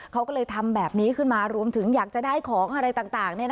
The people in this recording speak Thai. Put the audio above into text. เขาก็เลยทำแบบนี้ขึ้นมารวมถึงอยากจะได้ของอะไรต่าง